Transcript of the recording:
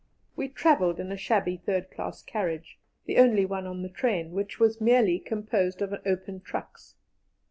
We travelled in a shabby third class carriage, the only one on the train, which was merely composed of open trucks.